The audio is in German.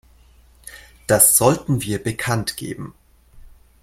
Das sollten wir bekanntgeben.